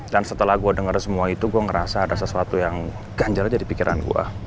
dan setelah gue denger semua itu gue ngerasa ada sesuatu yang ganjal aja di pikiran gue